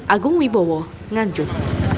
agung wibowo nganjuk